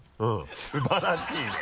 素晴らしいね！